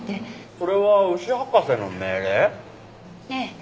それは牛博士の命令？ええ。